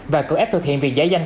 và cử ép thực hiện việc giải danh